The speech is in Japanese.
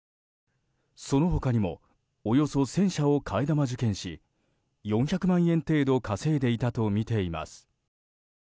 その他にもおよそ１０００社を替え玉受験し４００万円程度稼いでいたとみています。